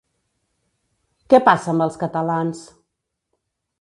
Què passa amb els catalans?